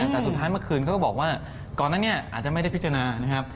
แต่สุดท้ายเมื่อคืนเขาก็บอกว่าก่อนหน้านี้อาจจะไม่ได้พิจารณา